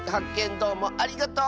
どうもありがとう！